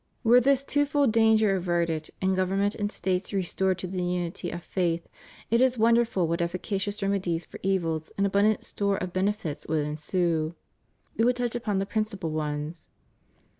Were this twofold danger averted, and govermnent and States restored to the unity of faith, it is wonderful what efficacious remedies for evils and abundant store of benefits would ensue. We will touch upon the principal ones.